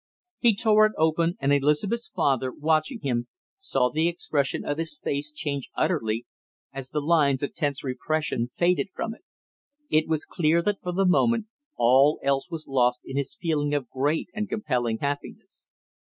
He tore it open, and Elizabeth's father, watching him, saw the expression of his face change utterly, as the lines of tense repression faded from it. It was clear that for the moment all else was lost in his feeling of great and compelling happiness.